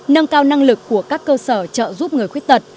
nâng cao năng lực của các cơ sở trợ giúp người khuyết tật